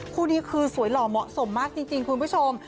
คู่นี้คือสวยหล่อเหมาะสมมากจริงคุณผู้ชม